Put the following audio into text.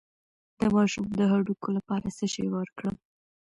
د ماشوم د هډوکو لپاره څه شی ورکړم؟